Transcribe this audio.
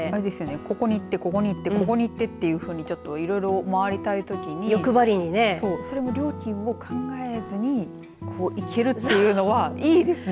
ここに行ってここに行ってここに行ってというふうにいろいろ回りたいときに欲張りにねそれも料金を考えずに行けるというのはいいですよね。